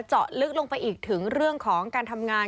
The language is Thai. เจาะลึกลงไปอีกถึงเรื่องของการทำงาน